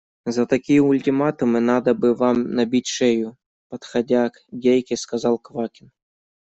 – За такие ультиматумы надо бы вам набить шею, – подходя к Гейке, сказал Квакин.